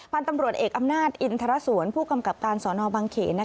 พันธุ์ตำรวจเอกอำนาจอินทรสวนผู้กำกับการสอนอบังเขน